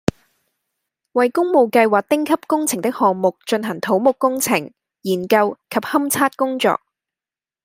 為工務計劃丁級工程的項目進行土木工程、研究及勘測工作